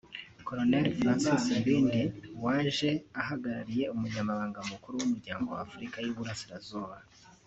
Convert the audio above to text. Col Francis Mbindi waje ahagarariye Umunyamabanga mukuru w’Umuryango wa Afurika y’Uburasirazuba